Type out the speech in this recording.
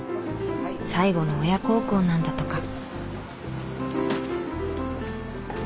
最後の親孝行なんだとか。